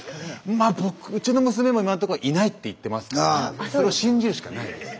まっ僕うちの娘も今んとこいないって言ってますからそれを信じるしかないですね。